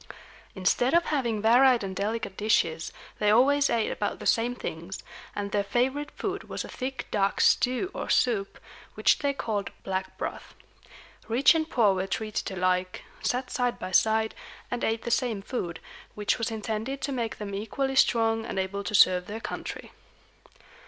Instead of having varied and delicate dishes, they always ate about the same things; and their favorite food was a thick dark stew or soup, which they called black broth. Rich and poor were treated alike, sat side by side, and ate the same food, which was intended to make them equally strong and able to serve their country.